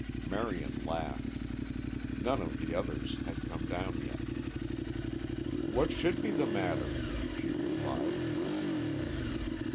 Marion laughed. None of the others had come down yet. "What should be the matter?" she replied.